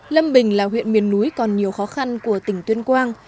lâm bình là huyện miền núi còn nhiều khó khăn của tỉnh tuyên quang